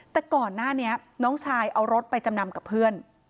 แต่ก่อนหน้านี้น้องชายเอารถไปจำนำกับเพื่อน